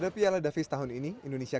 piala davis indonesia